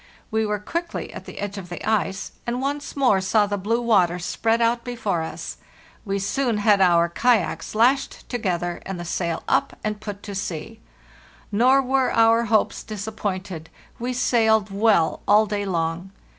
We were quickly at the edge of the ice, and once more saw the blue water spread out before us. We soon had our kayaks lashed together and the sail up, and put to sea. Nor were our hopes disappointed; we sailed well all day long.